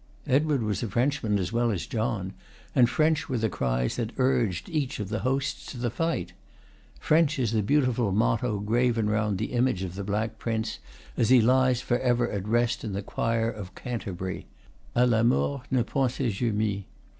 Edward was a Frenchman as well as John, and French were the cries that urged each of the hosts to the fight. French is the beautiful motto graven round the image of the Black Prince, as he lies forever at rest in the choir of Canterbury: a la mort ne pensai je mye.